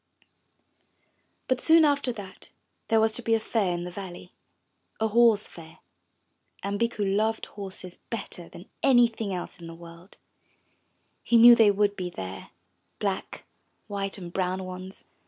But soon after that there was to be a fair in the valley, a Horse Fair, and Bikku loved horses better 397 MY BOOK HOUSE than anything else in the world. He knew they would be there — black, white and brown ones.